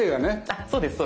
あそうです